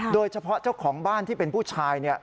โดยเฉพาะเจ้าของบ้านที่เป็นผู้ชาย